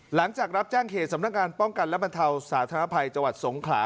หลังจากรับแจ้งเหตุสำนักงานป้องกันและบรรเทาสาธารณภัยจังหวัดสงขลา